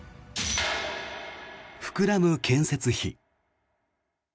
膨らむ建設費。